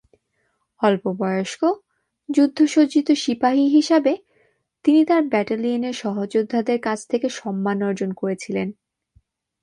অল্প বয়স্ক, যুদ্ধ-সজ্জিত সিপাহী হিসাবে, তিনি তাঁর ব্যাটালিয়নে সহযোদ্ধাদের কাছ থেকে সম্মান অর্জন করেছিলেন।